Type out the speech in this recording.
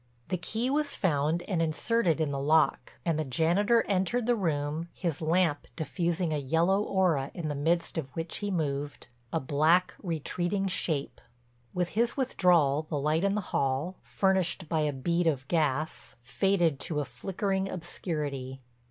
The key was found and inserted in the lock and the janitor entered the room, his lamp diffusing a yellow aura in the midst of which he moved, a black, retreating shape. With his withdrawal the light in the hall, furnished by a bead of gas, faded to a flickering obscurity.